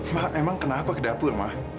ma emang kenapa ke dapur ma